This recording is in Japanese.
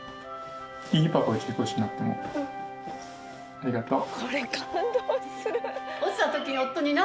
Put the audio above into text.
ありがとう。